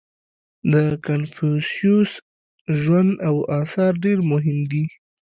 • د کنفوسیوس ژوند او آثار ډېر مهم دي.